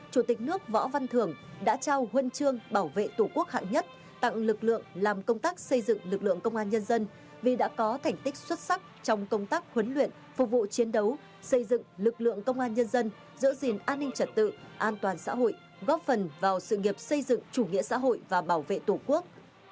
chủ tịch nước võ văn thường đã trao huân chương bảo vệ tổ quốc hạng nhất tặng lực lượng làm công tác xây dựng lực lượng công an nhân dân vì đã có thành tích xuất sắc trong công tác huấn luyện phục vụ chiến đấu xây dựng lực lượng công an nhân dân giữ gìn an ninh trật tự an toàn xã hội góp phần vào sự nghiệp xây dựng chủ nghĩa xã hội và bảo vệ tổ quốc